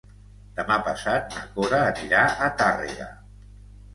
Demà passat na Cora anirà a Tàrrega.